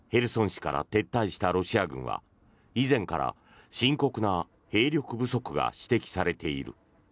市から撤退したロシア軍は以前から深刻な兵力不足が指摘されている。